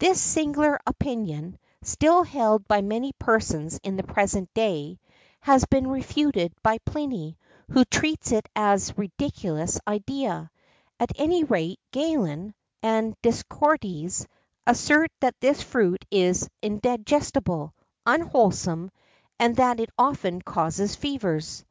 This singular opinion, still held by many persons in the present day, has been refuted by Pliny, who treats it as a ridiculous idea;[XII 67] at any rate, Galen[XII 68] and Dioscorides[XII 69] assert that this fruit is indigestible, unwholesome, and that it often causes fevers.